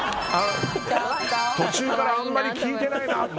途中からあまり聞いてないなって。